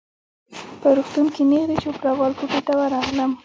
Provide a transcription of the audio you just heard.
په روغتون کي نیغ د چوپړوال کوټې ته ورغلم.